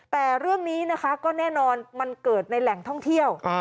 แต่เรื่องนี้นะคะก็แน่นอนมันเกิดในแหล่งท่องเที่ยว